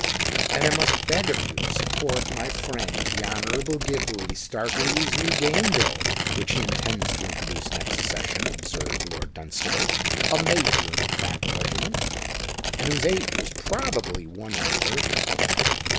"And I must beg of you to support my friend the Honourable Gively Starkeley's new Game Bill, which he intends to introduce next session," observed Lord Dunstable—a major in a crack regiment, and whose age was probably one and thirty.